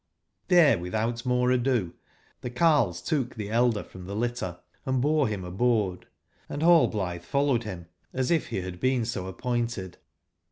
nSRB witbout more ado tbe carles took tbe elder from tbe litter and bore bim aboard, and Rallblitbe followed bim as if be bad been so appointed.